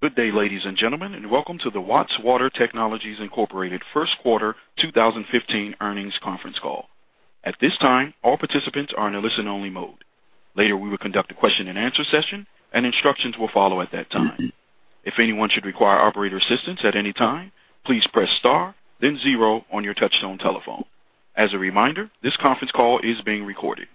Good day, ladies and gentlemen, and welcome to the Watts Water Technologies Incorporated First Quarter 2015 Earnings Conference Call. At this time, all participants are in a listen-only mode. Later, we will conduct a question-and-answer session, and instructions will follow at that time. If anyone should require operator assistance at any time, please press star then zero on your touchtone telephone. As a reminder, this conference call is being recorded.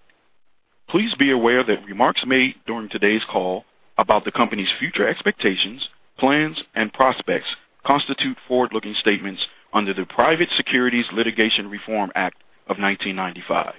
Please be aware that remarks made during today's call about the company's future expectations, plans and prospects constitute forward-looking statements under the Private Securities Litigation Reform Act of 1995.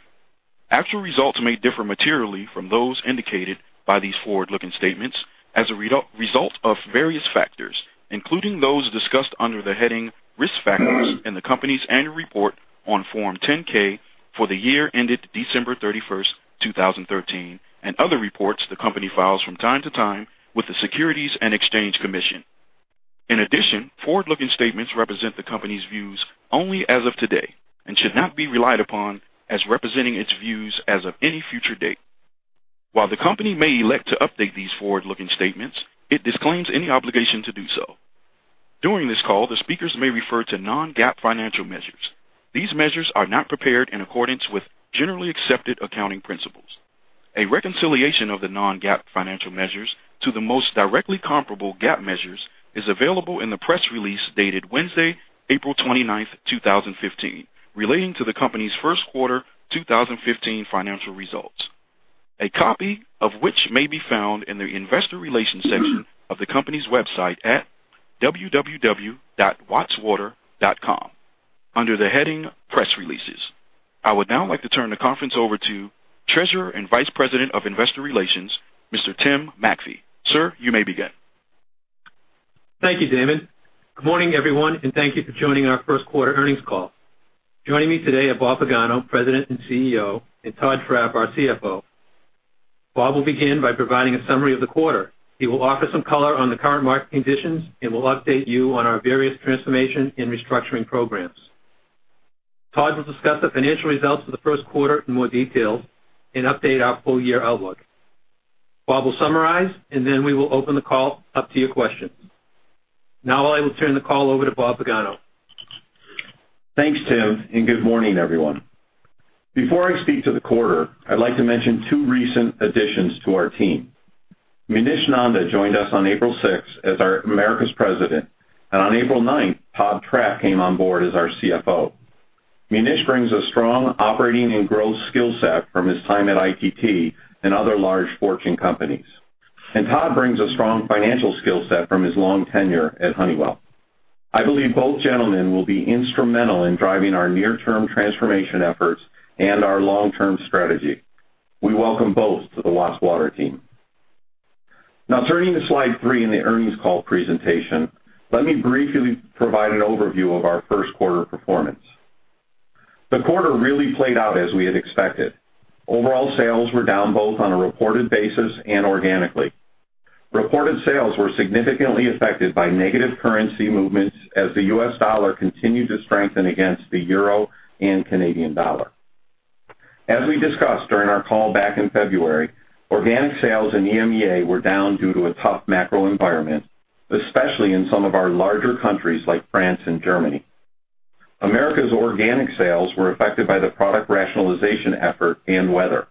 Actual results may differ materially from those indicated by these forward-looking statements as a result of various factors, including those discussed under the heading Risk Factors in the company's annual report on Form 10-K for the year ended December thirty-first, 2013, and other reports the company files from time to time with the Securities and Exchange Commission. In addition, forward-looking statements represent the company's views only as of today and should not be relied upon as representing its views as of any future date. While the company may elect to update these forward-looking statements, it disclaims any obligation to do so. During this call, the speakers may refer to non-GAAP financial measures. These measures are not prepared in accordance with generally accepted accounting principles. A reconciliation of the non-GAAP financial measures to the most directly comparable GAAP measures is available in the press release dated Wednesday, April 29, 2015, relating to the company's first quarter 2015 financial results, a copy of which may be found in the Investor Relations section of the company's website at www.wattswater.com under the heading Press Releases. I would now like to turn the conference over to Treasurer and Vice President of Investor Relations, Mr. Tim MacPhee. Sir, you may begin. Thank you, Damon. Good morning, everyone, and thank you for joining our first quarter earnings call. Joining me today are Bob Pagano, President and CEO, and Todd Trapp, our CFO. Bob will begin by providing a summary of the quarter. He will offer some color on the current market conditions and will update you on our various transformation and restructuring programs. Todd will discuss the financial results of the first quarter in more detail and update our full-year outlook. Bob will summarize, and then we will open the call up to your questions. Now, I will turn the call over to Bob Pagano. Thanks, Tim, and good morning, everyone. Before I speak to the quarter, I'd like to mention two recent additions to our team. Munish Nanda joined us on April sixth as our Americas President, and on April ninth, Todd Trapp came on board as our CFO. Munish brings a strong operating and growth skill set from his time at ITT and other large Fortune companies. And Todd brings a strong financial skill set from his long tenure at Honeywell. I believe both gentlemen will be instrumental in driving our near-term transformation efforts and our long-term strategy. We welcome both to the Watts Water team. Now, turning to slide 3 in the earnings call presentation, let me briefly provide an overview of our first quarter performance. The quarter really played out as we had expected. Overall sales were down both on a reported basis and organically. Reported sales were significantly affected by negative currency movements as the U.S. dollar continued to strengthen against the euro and Canadian dollar. As we discussed during our call back in February, organic sales in EMEA were down due to a tough macro environment, especially in some of our larger countries like France and Germany. Americas organic sales were affected by the product rationalization effort and weather.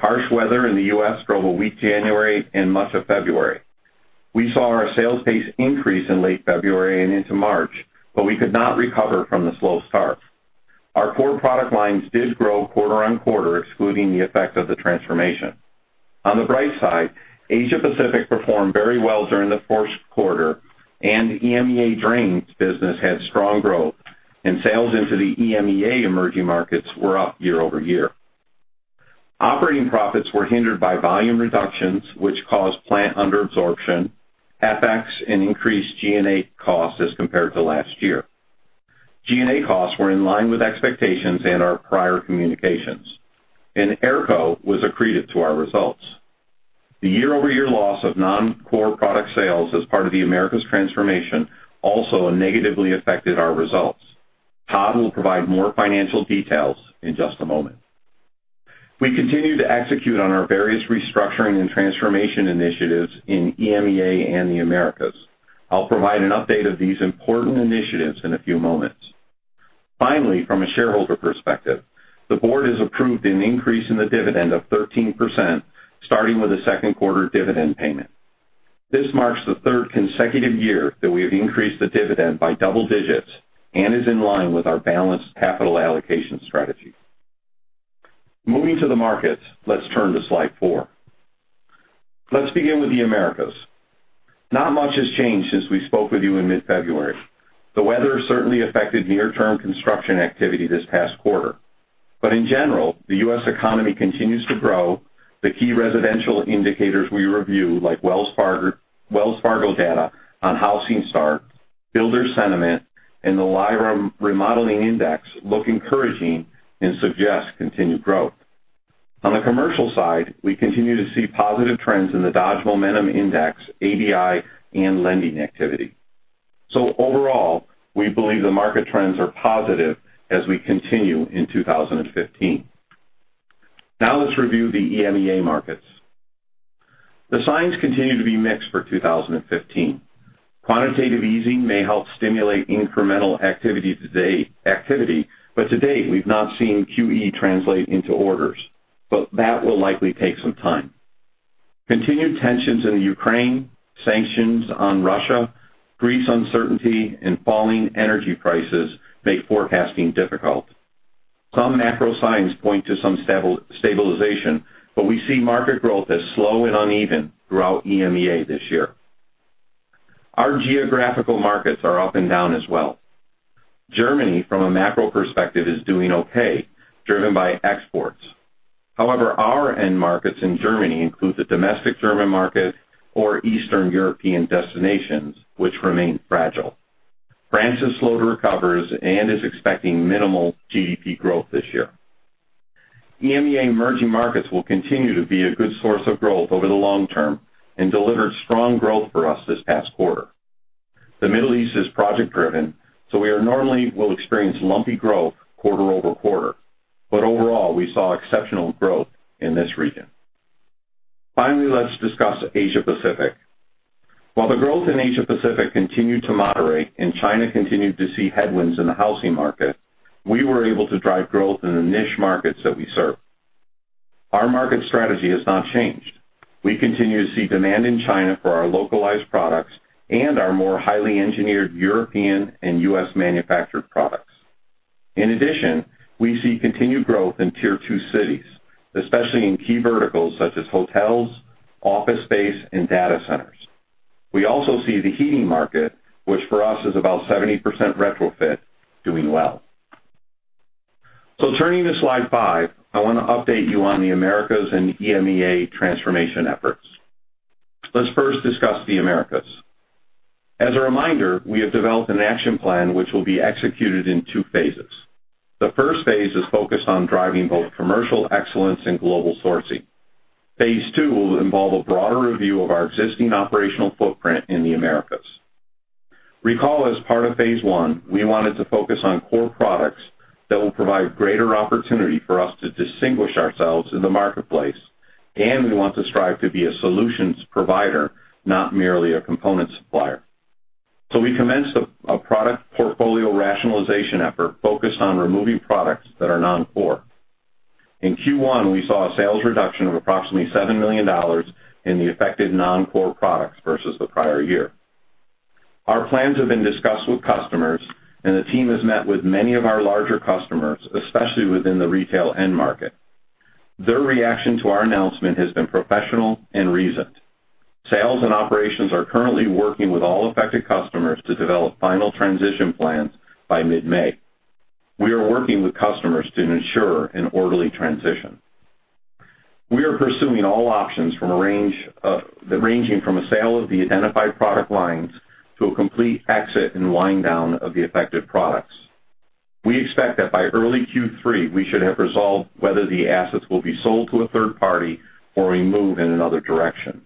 Harsh weather in the U.S. drove a weak January and much of February. We saw our sales pace increase in late February and into March, but we could not recover from the slow start. Our core product lines did grow quarter-over-quarter, excluding the effect of the transformation. On the bright side, Asia Pacific performed very well during the first quarter, and EMEA Drains business had strong growth, and sales into the EMEA emerging markets were up year-over-year. Operating profits were hindered by volume reductions, which caused plant under absorption, FX and increased G&A costs as compared to last year. G&A costs were in line with expectations and our prior communications, and AERCO was accretive to our results. The year-over-year loss of non-core product sales as part of the Americas transformation also negatively affected our results. Todd will provide more financial details in just a moment. We continue to execute on our various restructuring and transformation initiatives in EMEA and the Americas. I'll provide an update of these important initiatives in a few moments. Finally, from a shareholder perspective, the board has approved an increase in the dividend of 13%, starting with the second quarter dividend payment. This marks the third consecutive year that we have increased the dividend by double digits and is in line with our balanced capital allocation strategy. Moving to the markets, let's turn to slide 4. Let's begin with the Americas. Not much has changed since we spoke with you in mid-February. The weather certainly affected near-term construction activity this past quarter. But in general, the U.S. economy continues to grow. The key residential indicators we review, like Wells Fargo, Wells Fargo data on housing starts, builder sentiment, and the LIRA, look encouraging and suggest continued growth. On the commercial side, we continue to see positive trends in the Dodge Momentum Index, ABI, and lending activity. So overall, we believe the market trends are positive as we continue in 2015. Now let's review the EMEA markets. The signs continue to be mixed for 2015. Quantitative easing may help stimulate incremental activity to date, but to date, we've not seen QE translate into orders, but that will likely take some time. Continued tensions in the Ukraine, sanctions on Russia, Greece uncertainty, and falling energy prices make forecasting difficult. Some macro signs point to some stabilization, but we see market growth as slow and uneven throughout EMEA this year. Our geographical markets are up and down as well. Germany, from a macro perspective, is doing okay, driven by exports. However, our end markets in Germany include the domestic German market or Eastern European destinations, which remain fragile. France is slow to recover and is expecting minimal GDP growth this year. EMEA emerging markets will continue to be a good source of growth over the long term and delivered strong growth for us this past quarter. The Middle East is project-driven, so we normally will experience lumpy growth quarter over quarter. But overall, we saw exceptional growth in this region. Finally, let's discuss Asia Pacific. While the growth in Asia Pacific continued to moderate and China continued to see headwinds in the housing market, we were able to drive growth in the niche markets that we serve. Our market strategy has not changed. We continue to see demand in China for our localized products and our more highly engineered European and U.S.-manufactured products. In addition, we see continued growth in Tier Two cities, especially in key verticals such as hotels, office space, and data centers. We also see the heating market, which for us is about 70% retrofit, doing well. So turning to slide 5, I want to update you on the Americas and EMEA transformation efforts. Let's first discuss the Americas. As a reminder, we have developed an action plan which will be executed in two phases. The first phase is focused on driving both commercial excellence and global sourcing. Phase two will involve a broader review of our existing operational footprint in the Americas. Recall, as part of phase one, we wanted to focus on core products that will provide greater opportunity for us to distinguish ourselves in the marketplace, and we want to strive to be a solutions provider, not merely a component supplier. So we commenced a product portfolio rationalization effort focused on removing products that are noncore. In Q1, we saw a sales reduction of approximately $7 million in the affected noncore products versus the prior year. Our plans have been discussed with customers, and the team has met with many of our larger customers, especially within the retail end market. Their reaction to our announcement has been professional and reasoned. Sales and operations are currently working with all affected customers to develop final transition plans by mid-May. We are working with customers to ensure an orderly transition. We are pursuing all options from a range, ranging from a sale of the identified product lines to a complete exit and wind down of the affected products. We expect that by early Q3, we should have resolved whether the assets will be sold to a third party or we move in another direction.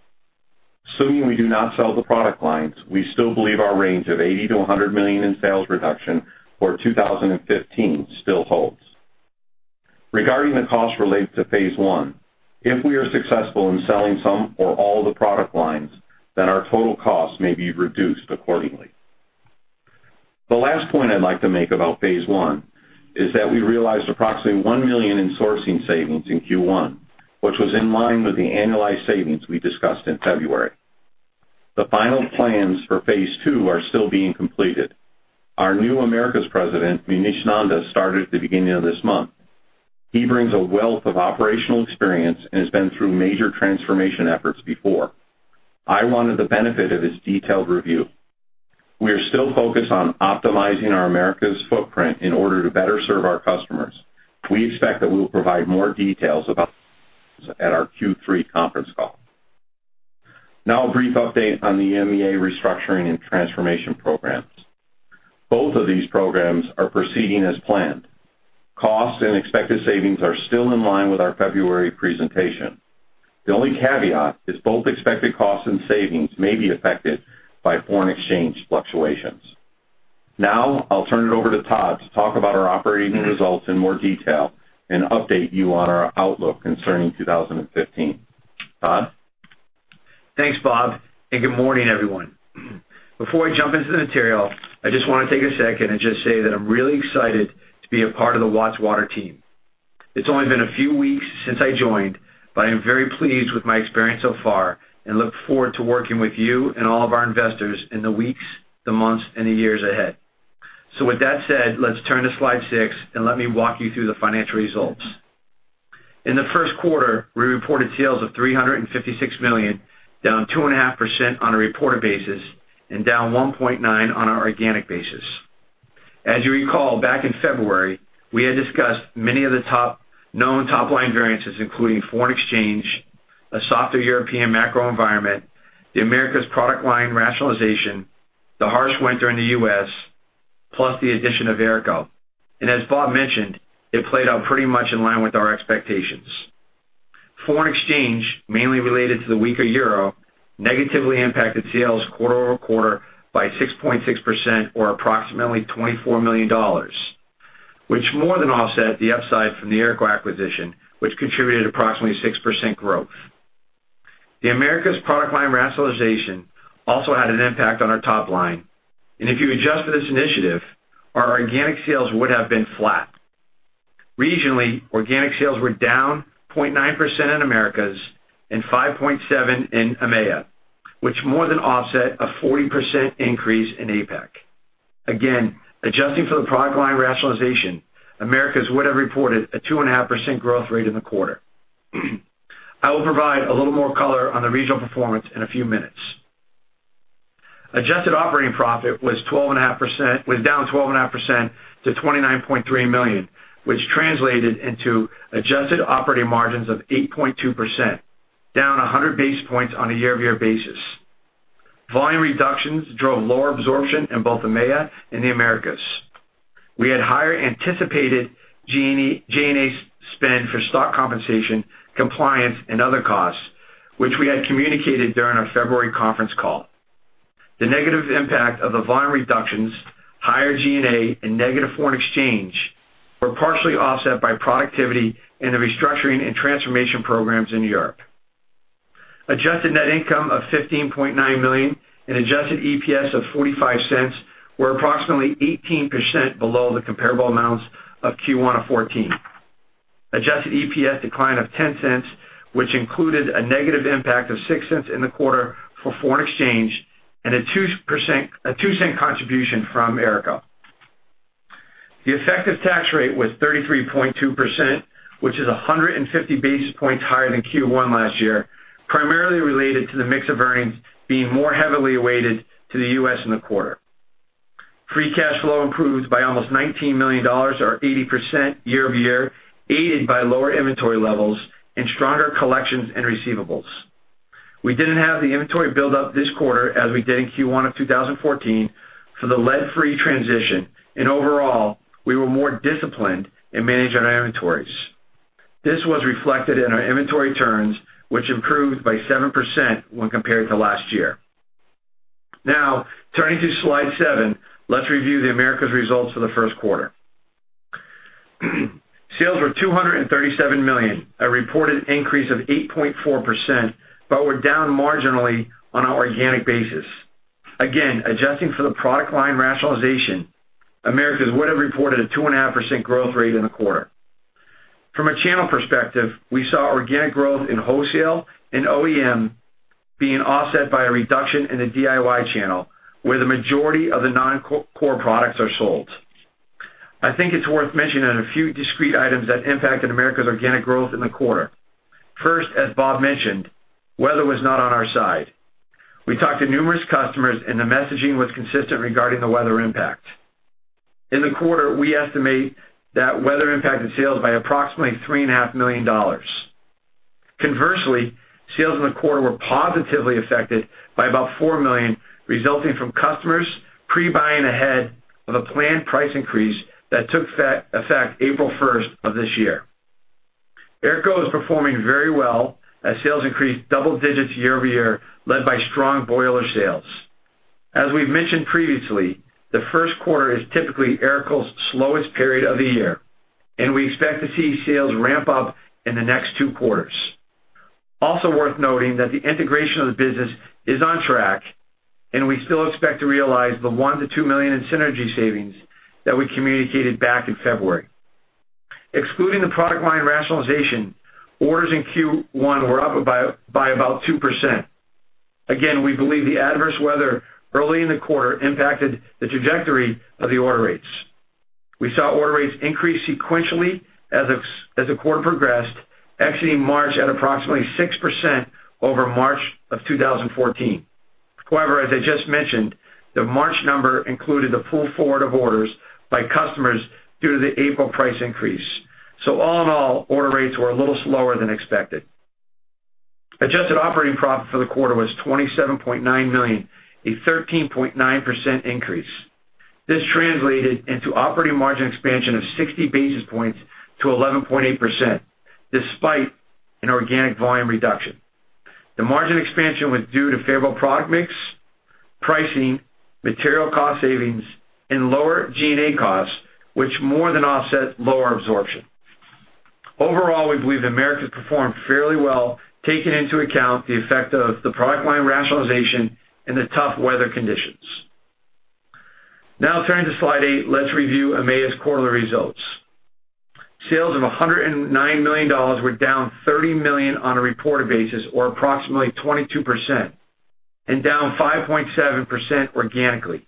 Assuming we do not sell the product lines, we still believe our range of $80 million-$100 million in sales reduction for 2015 still holds. Regarding the costs related to phase one, if we are successful in selling some or all the product lines, then our total costs may be reduced accordingly. The last point I'd like to make about phase one is that we realized approximately $1 million in sourcing savings in Q1, which was in line with the annualized savings we discussed in February. The final plans for phase two are still being completed. Our new Americas president, Munish Nanda, started at the beginning of this month. He brings a wealth of operational experience and has been through major transformation efforts before. I wanted the benefit of his detailed review. We are still focused on optimizing our Americas footprint in order to better serve our customers. We expect that we'll provide more details about at our Q3 conference call. Now, a brief update on the EMEA restructuring and transformation programs. Both of these programs are proceeding as planned. Costs and expected savings are still in line with our February presentation. The only caveat is both expected costs and savings may be affected by foreign exchange fluctuations. Now, I'll turn it over to Todd to talk about our operating results in more detail and update you on our outlook concerning 2015. Todd? Thanks, Bob, and good morning, everyone. Before I jump into the material, I just want to take a second and just say that I'm really excited to be a part of the Watts Water team. It's only been a few weeks since I joined, but I'm very pleased with my experience so far and look forward to working with you and all of our investors in the weeks, the months, and the years ahead. So with that said, let's turn to slide six, and let me walk you through the financial results. In the first quarter, we reported sales of $356 million, down 2.5% on a reported basis and down 1.9% on an organic basis. As you recall, back in February, we had discussed many of the top known top-line variances, including foreign exchange, a softer European macro environment, the Americas product line rationalization, the harsh winter in the U.S., plus the addition of Aerco. As Bob mentioned, it played out pretty much in line with our expectations. Foreign exchange, mainly related to the weaker euro, negatively impacted sales quarter-over-quarter by 6.6% or approximately $24 million, which more than offset the upside from the Aerco acquisition, which contributed approximately 6% growth. The Americas product line rationalization also had an impact on our top line, and if you adjust for this initiative, our organic sales would have been flat. Regionally, organic sales were down 0.9% in Americas and 5.7% in EMEA, which more than offset a 40% increase in APAC. Again, adjusting for the product line rationalization, Americas would have reported a 2.5% growth rate in the quarter. I will provide a little more color on the regional performance in a few minutes. Adjusted operating profit was down 12.5% to $29.3 million, which translated into adjusted operating margins of 8.2%, down 100 basis points on a year-over-year basis. Volume reductions drove lower absorption in both EMEA and the Americas. We had higher anticipated G&A spend for stock compensation, compliance, and other costs, which we had communicated during our February conference call. The negative impact of the volume reductions, higher G&A, and negative foreign exchange were partially offset by productivity and the restructuring and transformation programs in Europe. Adjusted net income of $15.9 million and adjusted EPS of $0.45 were approximately 18% below the comparable amounts of Q1 of 2014. Adjusted EPS declined of $0.10, which included a negative impact of $0.06 in the quarter for foreign exchange, and a $0.02 contribution from Aerco. The effective tax rate was 33.2%, which is 150 basis points higher than Q1 last year, primarily related to the mix of earnings being more heavily weighted to the U.S. in the quarter. Free cash flow improved by almost $19 million or 80% year-over-year, aided by lower inventory levels and stronger collections and receivables. We didn't have the inventory buildup this quarter as we did in Q1 of 2014 for the lead-free transition, and overall, we were more disciplined in managing our inventories. This was reflected in our inventory turns, which improved by 7% when compared to last year. Now, turning to Slide 7, let's review the Americas results for the first quarter. Sales were $237 million, a reported increase of 8.4%, but were down marginally on an organic basis. Again, adjusting for the product line rationalization, Americas would have reported a 2.5% growth rate in the quarter. From a channel perspective, we saw organic growth in wholesale and OEM being offset by a reduction in the DIY channel, where the majority of the non-core products are sold. I think it's worth mentioning on a few discrete items that impacted Americas organic growth in the quarter. First, as Bob mentioned, weather was not on our side. We talked to numerous customers, and the messaging was consistent regarding the weather impact. In the quarter, we estimate that weather impacted sales by approximately $3.5 million. Conversely, sales in the quarter were positively affected by about $4 million, resulting from customers pre-buying ahead of a planned price increase that took effect April first of this year. Aerco is performing very well, as sales increased double digits year-over-year, led by strong boiler sales. As we've mentioned previously, the first quarter is typically Aerco's slowest period of the year, and we expect to see sales ramp up in the next two quarters. Also worth noting that the integration of the business is on track, and we still expect to realize the $1 million-$2 million in synergy savings that we communicated back in February. Excluding the product line rationalization, orders in Q1 were up by about 2%. Again, we believe the adverse weather early in the quarter impacted the trajectory of the order rates. We saw order rates increase sequentially as the quarter progressed, exiting March at approximately 6% over March 2014. However, as I just mentioned, the March number included the pull forward of orders by customers due to the April price increase. So all in all, order rates were a little slower than expected. Adjusted operating profit for the quarter was $27.9 million, a 13.9% increase. This translated into operating margin expansion of 60 basis points to 11.8%, despite an organic volume reduction. The margin expansion was due to favorable product mix, pricing, material cost savings, and lower G&A costs, which more than offset lower absorption. Overall, we believe Americas performed fairly well, taking into account the effect of the product line rationalization and the tough weather conditions. Now, turning to Slide 8, let's review EMEA's quarterly results. Sales of $109 million were down $30 million on a reported basis, or approximately 22%, and down 5.7% organically.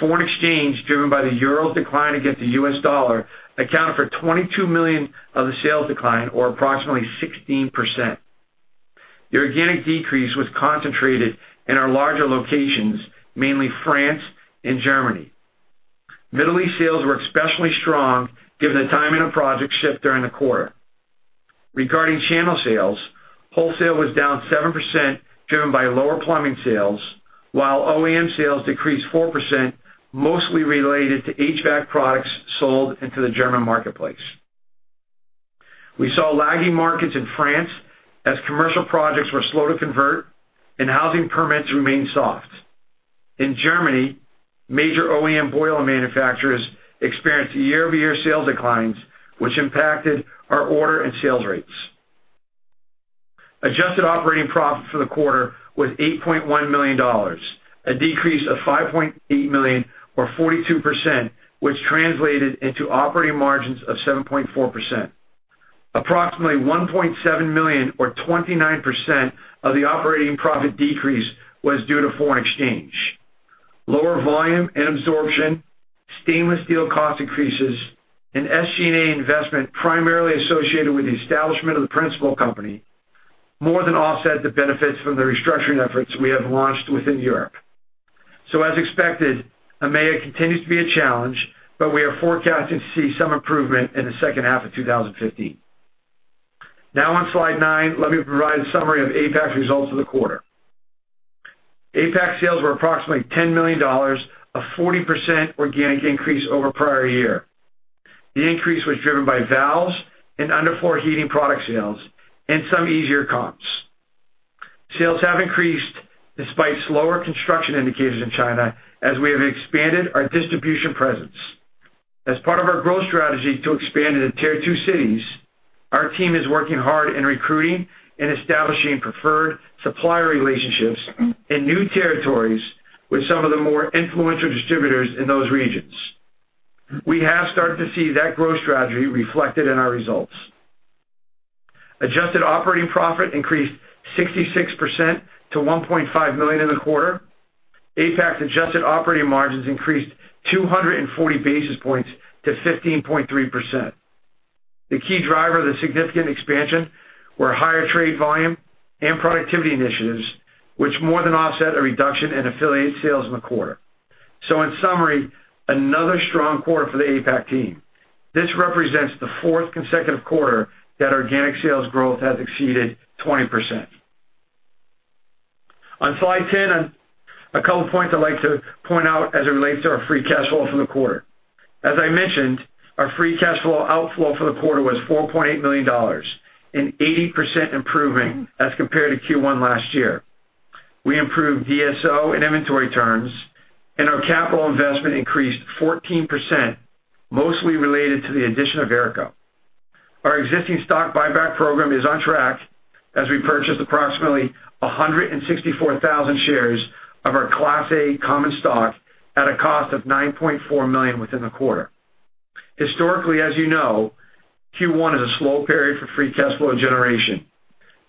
Foreign exchange, driven by the euro's decline against the US dollar, accounted for $22 million of the sales decline, or approximately 16%. The organic decrease was concentrated in our larger locations, mainly France and Germany. Middle East sales were especially strong given the timing of project shift during the quarter. Regarding channel sales... Wholesale was down 7%, driven by lower plumbing sales, while OEM sales decreased 4%, mostly related to HVAC products sold into the German marketplace. We saw lagging markets in France as commercial projects were slow to convert and housing permits remained soft. In Germany, major OEM boiler manufacturers experienced year-over-year sales declines, which impacted our order and sales rates. Adjusted operating profit for the quarter was $8.1 million, a decrease of $5.8 million, or 42%, which translated into operating margins of 7.4%. Approximately $1.7 million, or 29%, of the operating profit decrease was due to foreign exchange. Lower volume and absorption, stainless steel cost increases, and SG&A investment, primarily associated with the establishment of the principal company, more than offset the benefits from the restructuring efforts we have launched within Europe. So as expected, EMEA continues to be a challenge, but we are forecasting to see some improvement in the second half of 2015. Now on slide nine, let me provide a summary of APAC's results for the quarter. APAC sales were approximately $10 million, a 40% organic increase over prior year. The increase was driven by valves and underfloor heating product sales and some easier comps. Sales have increased despite slower construction indicators in China, as we have expanded our distribution presence. As part of our growth strategy to expand into Tier Two cities, our team is working hard in recruiting and establishing preferred supplier relationships in new territories with some of the more influential distributors in those regions. We have started to see that growth strategy reflected in our results. Adjusted operating profit increased 66% to $1.5 million in the quarter. APAC's adjusted operating margins increased 240 basis points to 15.3%. The key driver of the significant expansion were higher trade volume and productivity initiatives, which more than offset a reduction in affiliate sales in the quarter. So in summary, another strong quarter for the APAC team. This represents the fourth consecutive quarter that organic sales growth has exceeded 20%. On slide 10, a couple points I'd like to point out as it relates to our free cash flow for the quarter. As I mentioned, our free cash flow outflow for the quarter was $4.8 million, an 80% improving as compared to Q1 last year. We improved DSO and inventory turns, and our capital investment increased 14%, mostly related to the addition of AERCO. Our existing stock buyback program is on track as we purchased approximately 164,000 shares of our Class A Common Stock at a cost of $9.4 million within the quarter. Historically, as you know, Q1 is a slow period for free cash flow generation.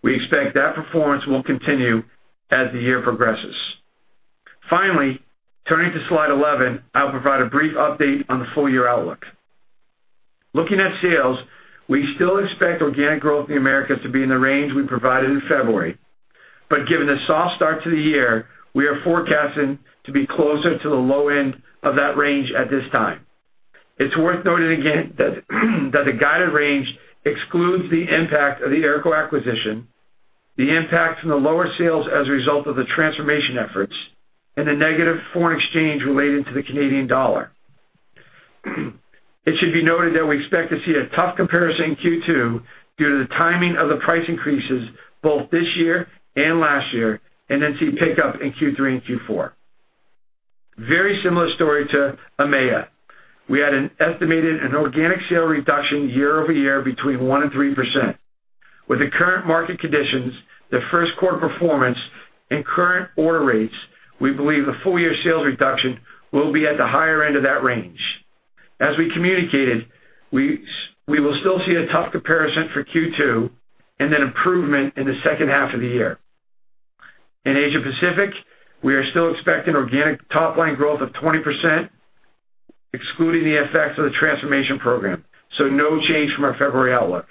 We expect that performance will continue as the year progresses. Finally, turning to slide 11, I'll provide a brief update on the full-year outlook. Looking at sales, we still expect organic growth in the Americas to be in the range we provided in February, but given the soft start to the year, we are forecasting to be closer to the low end of that range at this time. It's worth noting again that the guided range excludes the impact of the AERCO acquisition, the impact from the lower sales as a result of the transformation efforts, and the negative foreign exchange related to the Canadian dollar. It should be noted that we expect to see a tough comparison in Q2 due to the timing of the price increases both this year and last year, and then see pickup in Q3 and Q4. Very similar story to EMEA. We had an estimated organic sales reduction year-over-year between 1% and 3%. With the current market conditions, the first quarter performance, and current order rates, we believe the full year sales reduction will be at the higher end of that range. As we communicated, we will still see a tough comparison for Q2 and then improvement in the second half of the year. In Asia Pacific, we are still expecting organic top-line growth of 20%, excluding the effects of the transformation program, so no change from our February outlook.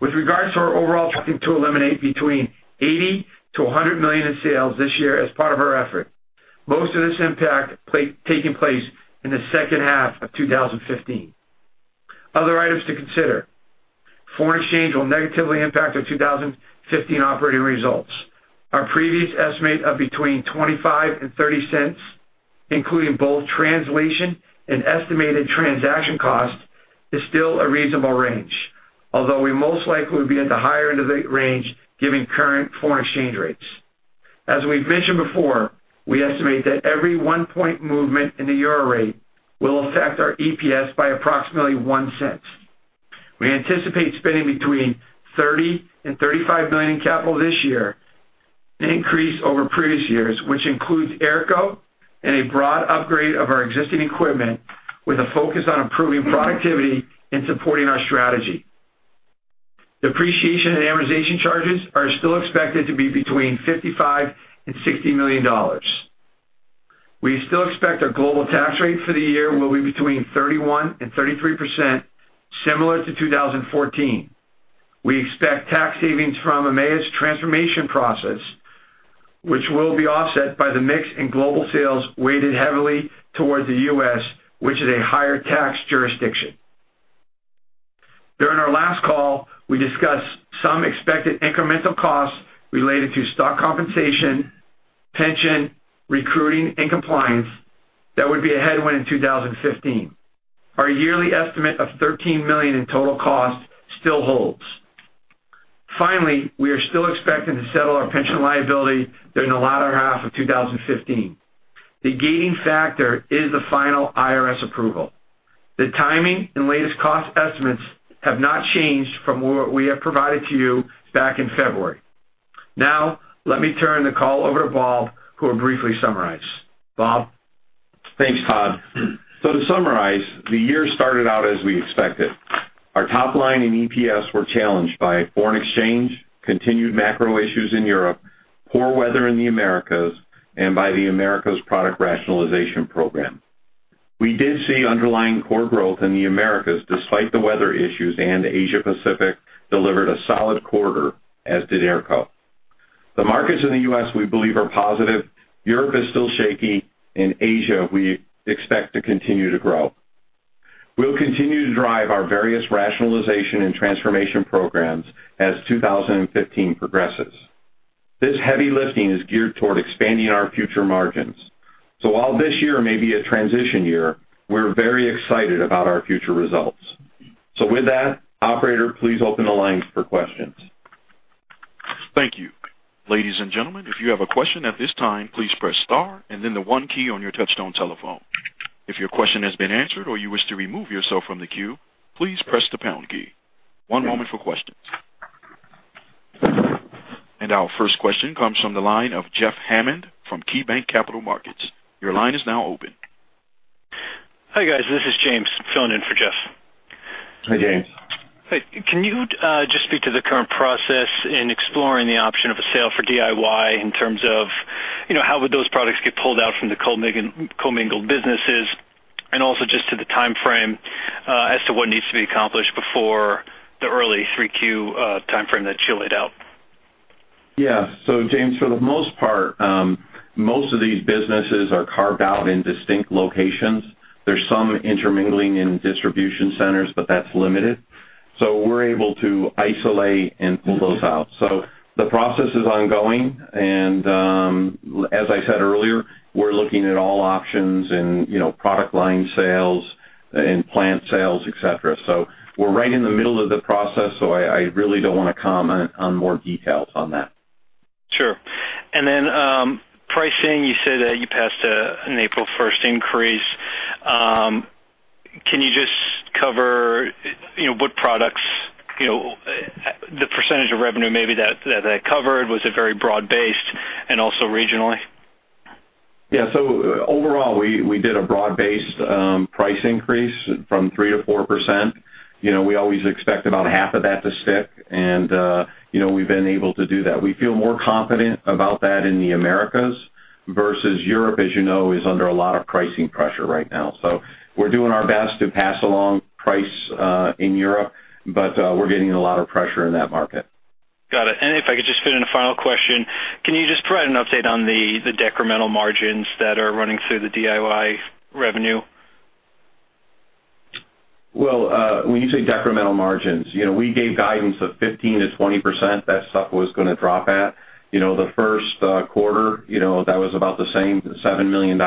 With regards to our overall tracking to eliminate between $80-$100 million in sales this year as part of our effort, most of this impact taking place in the second half of 2015. Other items to consider: Foreign exchange will negatively impact our 2015 operating results. Our previous estimate of between $0.25-$0.30, including both translation and estimated transaction costs, is still a reasonable range, although we most likely will be at the higher end of the range given current foreign exchange rates. As we've mentioned before, we estimate that every 1-point movement in the euro rate will affect our EPS by approximately 1 cent. We anticipate spending between $30-$35 million in capital this year, an increase over previous years, which includes AERCO and a broad upgrade of our existing equipment, with a focus on improving productivity and supporting our strategy. Depreciation and amortization charges are still expected to be between $55-$60 million. We still expect our global tax rate for the year will be between 31%-33%, similar to 2014. We expect tax savings from EMEA's transformation process, which will be offset by the mix in global sales weighted heavily towards the U.S., which is a higher tax jurisdiction. During our last call, we discussed some expected incremental costs related to stock compensation, pension, recruiting, and compliance that would be a headwind in 2015. Our yearly estimate of $13 million in total costs still holds. Finally, we are still expecting to settle our pension liability during the latter half of 2015. The gating factor is the final IRS approval. The timing and latest cost estimates have not changed from what we have provided to you back in February. Now, let me turn the call over to Bob, who will briefly summarize. Bob? Thanks, Todd. So to summarize, the year started out as we expected. Our top line and EPS were challenged by foreign exchange, continued macro issues in Europe, poor weather in the Americas, and by the Americas product rationalization program. We did see underlying core growth in the Americas despite the weather issues, and Asia Pacific delivered a solid quarter, as did AERCO. The markets in the U.S., we believe, are positive. Europe is still shaky, and Asia, we expect to continue to grow. We'll continue to drive our various rationalization and transformation programs as 2015 progresses. This heavy lifting is geared toward expanding our future margins. So while this year may be a transition year, we're very excited about our future results. So with that, operator, please open the lines for questions. Thank you. Ladies and gentlemen, if you have a question at this time, please press star and then the one key on your touchtone telephone. If your question has been answered or you wish to remove yourself from the queue, please press the pound key. One moment for questions. And our first question comes from the line of Jeff Hammond from KeyBanc Capital Markets. Your line is now open. Hi, guys. This is James filling in for Jeff. Hi, James. Hi. Can you just speak to the current process in exploring the option of a sale for DIY in terms of, you know, how would those products get pulled out from the commingled businesses? And also just to the timeframe, as to what needs to be accomplished before the early 3Q timeframe that you laid out. Yeah. So James, for the most part, most of these businesses are carved out in distinct locations. There's some intermingling in distribution centers, but that's limited. So we're able to isolate and pull those out. So the process is ongoing, and, as I said earlier, we're looking at all options and, you know, product line sales and plant sales, et cetera. So we're right in the middle of the process, so I really don't wanna comment on more details on that. Sure. And then, pricing, you said that you passed a, an April first increase. Can you just cover, you know, what products, you know, the percentage of revenue maybe that, that covered? Was it very broad-based and also regionally? Yeah. So overall, we did a broad-based price increase from 3%-4%. You know, we always expect about half of that to stick, and you know, we've been able to do that. We feel more confident about that in the Americas versus Europe, as you know, is under a lot of pricing pressure right now. So we're doing our best to pass along price in Europe, but we're getting a lot of pressure in that market. Got it. And if I could just fit in a final question, can you just provide an update on the decremental margins that are running through the DIY revenue? Well, when you say decremental margins, you know, we gave guidance of 15%-20%. That stuff was gonna drop at. You know, the first quarter, you know, that was about the same, $7 million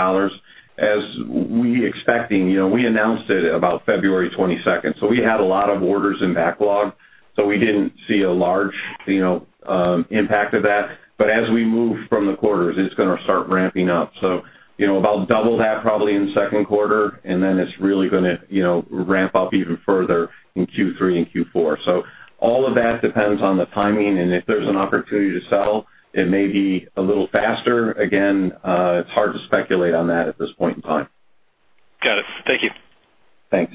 as we expecting. You know, we announced it about February twenty-second, so we had a lot of orders in backlog, so we didn't see a large, you know, impact of that. But as we move from the quarters, it's gonna start ramping up. So, you know, about double that probably in the second quarter, and then it's really gonna, you know, ramp up even further in Q3 and Q4. So all of that depends on the timing, and if there's an opportunity to settle, it may be a little faster. Again, it's hard to speculate on that at this point in time. Got it. Thank you. Thanks.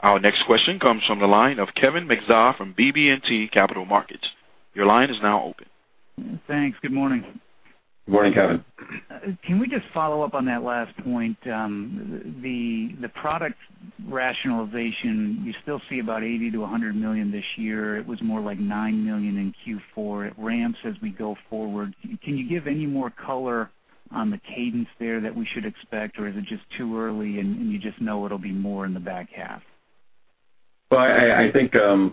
Our next question comes from the line of Kevin Maczka from BB&T Capital Markets. Your line is now open. Thanks. Good morning. Good morning, Kevin. Can we just follow up on that last point? The product rationalization, you still see about $80 million-$100 million this year. It was more like $9 million in Q4. It ramps as we go forward. Can you give any more color on the cadence there that we should expect, or is it just too early, and you just know it'll be more in the back half? Well, I think,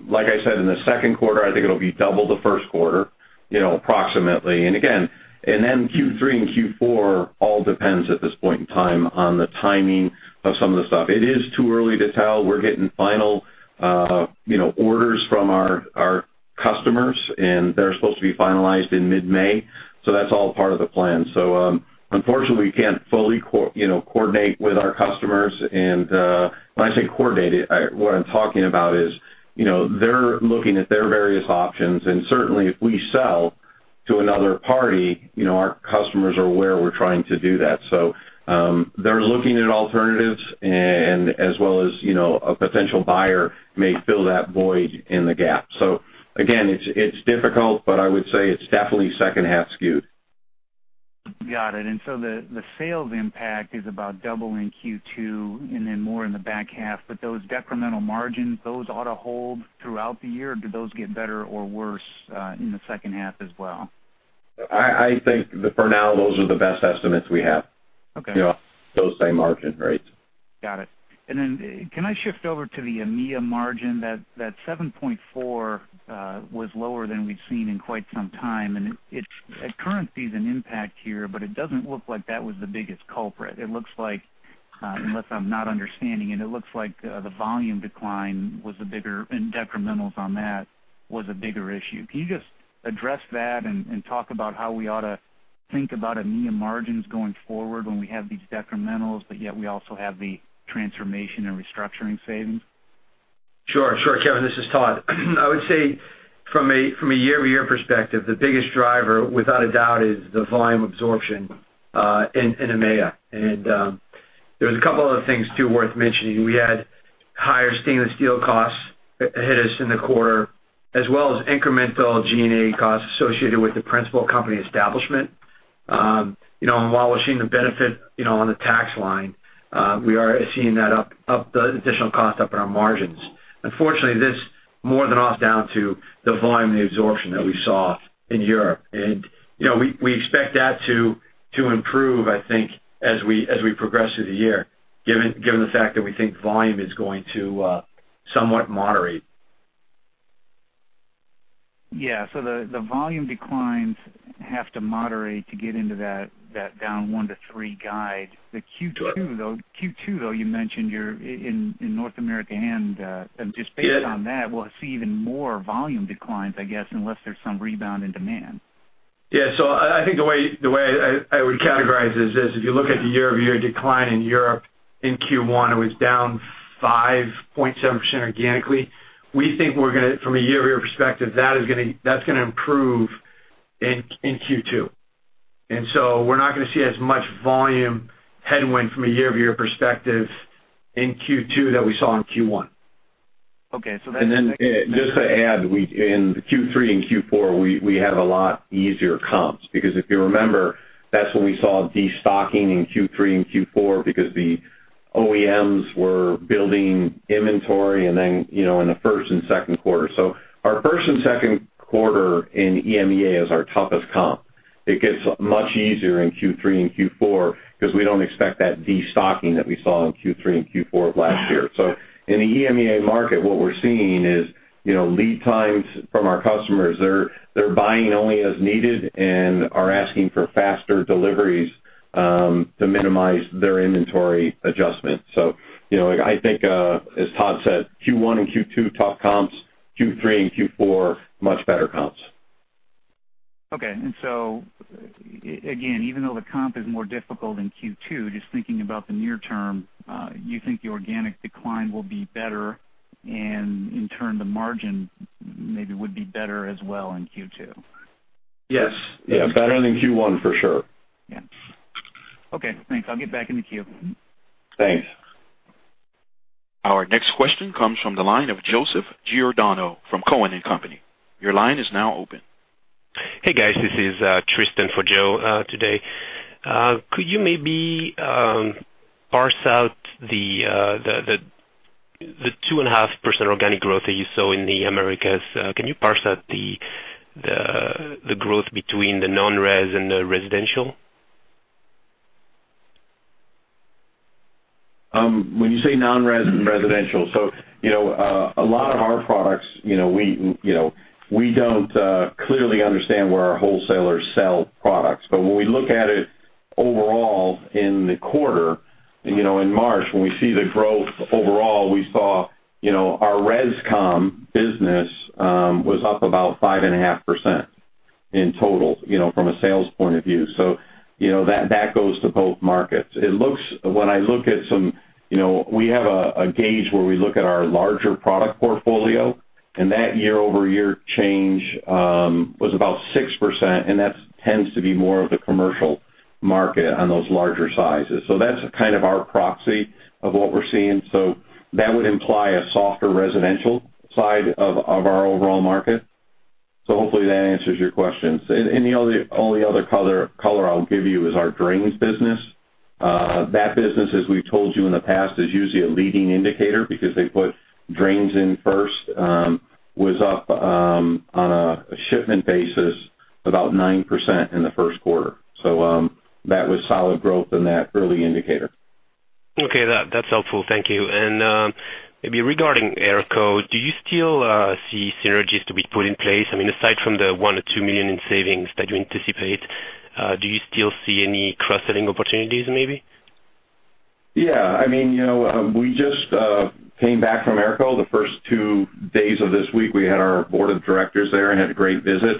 like I said, in the second quarter, I think it'll be double the first quarter, you know, approximately. And again, then Q3 and Q4 all depends at this point in time on the timing of some of the stuff. It is too early to tell. We're getting final, you know, orders from our customers, and they're supposed to be finalized in mid-May, so that's all part of the plan. So, unfortunately, we can't fully coordinate with our customers. And, when I say coordinate, I... What I'm talking about is, you know, they're looking at their various options, and certainly, if we sell to another party, you know, our customers are aware we're trying to do that. So, they're looking at alternatives and as well as, you know, a potential buyer may fill that void in the gap. So again, it's difficult, but I would say it's definitely second half skewed. ... Got it. And so the sales impact is about double in Q2 and then more in the back half. But those decremental margins, those ought to hold throughout the year, or do those get better or worse, in the second half as well? I think that for now, those are the best estimates we have. Okay. Those same margin rates. Got it. And then can I shift over to the EMEA margin? That 7.4 was lower than we've seen in quite some time, and it's currency is an impact here, but it doesn't look like that was the biggest culprit. It looks like, unless I'm not understanding it, it looks like the volume decline was a bigger—and decrementals on that was a bigger issue. Can you just address that and, and talk about how we ought to think about EMEA margins going forward when we have these decrementals, but yet we also have the transformation and restructuring savings? Sure, sure, Kevin, this is Todd. I would say from a year-over-year perspective, the biggest driver, without a doubt, is the volume absorption in EMEA. And there was a couple other things, too, worth mentioning. We had higher stainless steel costs hit us in the quarter, as well as incremental G&A costs associated with the principal company establishment. You know, and while we're seeing the benefit, you know, on the tax line, we are seeing that up—the additional cost up in our margins. Unfortunately, this more than offset the volume and the absorption that we saw in Europe. And, you know, we expect that to improve, I think, as we progress through the year, given the fact that we think volume is going to somewhat moderate. Yeah. So the, the volume declines have to moderate to get into that, that down 1-3 guide. Correct. The Q2, though, you mentioned you're in North America and, Yeah. Just based on that, we'll see even more volume declines, I guess, unless there's some rebound in demand. Yeah. So I think the way I would categorize this is, if you look at the year-over-year decline in Europe in Q1, it was down 5.7% organically. We think we're gonna, from a year-over-year perspective, that is gonna—that's gonna improve in Q2. So we're not gonna see as much volume headwind from a year-over-year perspective in Q2 that we saw in Q1. Okay, so that- And then just to add, we, in Q3 and Q4, we, we have a lot easier comps, because if you remember, that's when we saw destocking in Q3 and Q4 because the OEMs were building inventory and then, you know, in the first and second quarter. So our first and second quarter in EMEA is our toughest comp. It gets much easier in Q3 and Q4 because we don't expect that destocking that we saw in Q3 and Q4 of last year. So in the EMEA market, what we're seeing is, you know, lead times from our customers. They're, they're buying only as needed and are asking for faster deliveries, to minimize their inventory adjustment. So, you know, I think, as Todd said, Q1 and Q2, tough comps. Q3 and Q4, much better comps. Okay. And so again, even though the comp is more difficult in Q2, just thinking about the near term, you think the organic decline will be better, and in turn, the margin maybe would be better as well in Q2? Yes. Yeah, better than Q1, for sure. Yeah. Okay, thanks. I'll get back in the queue. Thanks. Our next question comes from the line of Joseph Giordano from Cowen and Company. Your line is now open. Hey, guys, this is Tristan for Joe today. Could you maybe parse out the 2.5% organic growth that you saw in the Americas? Can you parse out the growth between the non-res and the residential? When you say non-res and residential, so, you know, a lot of our products, you know, we, you know, we don't clearly understand where our wholesalers sell products. But when we look at it overall in the quarter, you know, in March, when we see the growth overall, we saw, you know, our Res/Com business was up about 5.5% in total, you know, from a sales point of view. So, you know, that, that goes to both markets. It looks, when I look at some. You know, we have a gauge where we look at our larger product portfolio, and that year-over-year change was about 6%, and that tends to be more of the commercial market on those larger sizes. So that's kind of our proxy of what we're seeing. So that would imply a softer residential side of our overall market. So hopefully that answers your question. And the only other color I'll give you is our drains business. That business, as we've told you in the past, is usually a leading indicator because they put drains in first, was up on a shipment basis, about 9% in the first quarter. So that was solid growth in that early indicator. Okay, that, that's helpful. Thank you. And, maybe regarding AERCO, do you still see synergies to be put in place? I mean, aside from the $1 million-$2 million in savings that you anticipate, do you still see any cross-selling opportunities, maybe? Yeah, I mean, you know, we just came back from AERCO the first two days of this week. We had our board of directors there and had a great visit.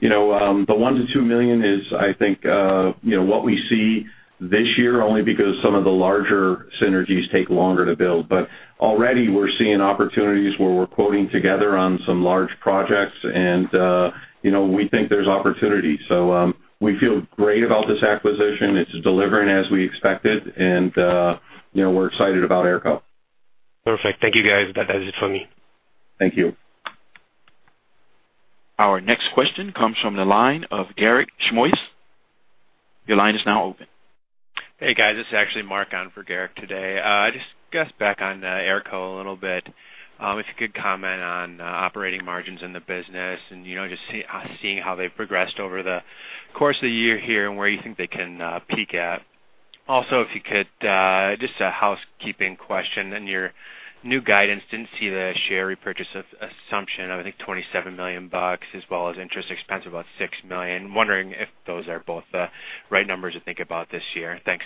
You know, the $1 million-$2 million is, I think, you know, what we see this year, only because some of the larger synergies take longer to build. But already we're seeing opportunities where we're quoting together on some large projects, and, you know, we think there's opportunity. So, we feel great about this acquisition. It's delivering as we expected, and, you know, we're excited about AERCO. Perfect. Thank you, guys. That is it for me. Thank you. Our next question comes from the line of Garik Shmois. Your line is now open. Hey, guys, this is actually Mark on for Garik today. Just get back on AERCO a little bit. If you could comment on operating margins in the business and, you know, just seeing how they've progressed over the course of the year here and where you think they can peak at. Also, if you could just a housekeeping question, in your new guidance, didn't see the share repurchase assumption of, I think, $27 million, as well as interest expense, about $6 million. Wondering if those are both the right numbers to think about this year. Thanks.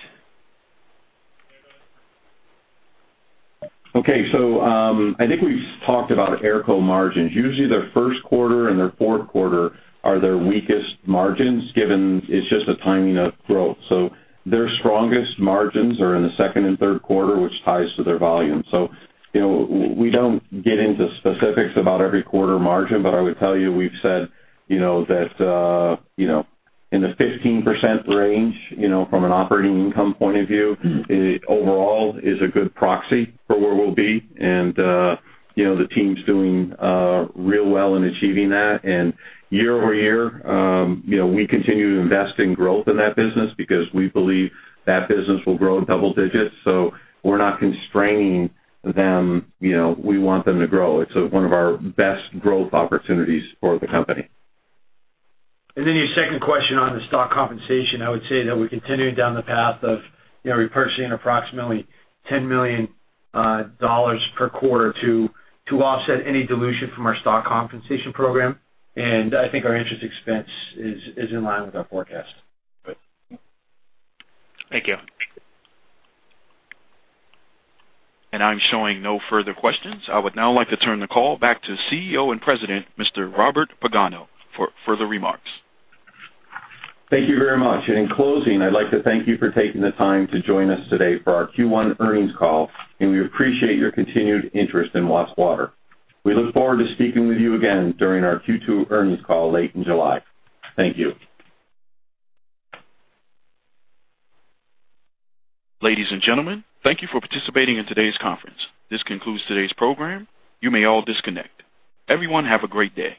Okay, so, I think we've talked about AERCO margins. Usually, their first quarter and their fourth quarter are their weakest margins, given it's just a timing of growth. So their strongest margins are in the second and third quarter, which ties to their volume. So, you know, we don't get into specifics about every quarter margin, but I would tell you, we've said, you know, that, you know, in the 15% range, you know, from an operating income point of view, it overall is a good proxy for where we'll be. And, you know, the team's doing real well in achieving that. And year-over-year, you know, we continue to invest in growth in that business because we believe that business will grow in double digits, so we're not constraining them, you know, we want them to grow. It's one of our best growth opportunities for the company. And then your second question on the stock compensation, I would say that we're continuing down the path of, you know, repurchasing approximately $10 million per quarter to offset any dilution from our stock compensation program. And I think our interest expense is in line with our forecast. Thank you. I'm showing no further questions. I would now like to turn the call back to CEO and President, Mr. Robert Pagano, for further remarks. Thank you very much. And in closing, I'd like to thank you for taking the time to join us today for our Q1 earnings call, and we appreciate your continued interest in Watts Water. We look forward to speaking with you again during our Q2 earnings call late in July. Thank you. Ladies and gentlemen, thank you for participating in today's conference. This concludes today's program. You may all disconnect. Everyone, have a great day.